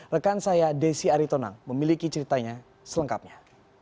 rekan saya desi aritonang memiliki ceritanya selengkapnya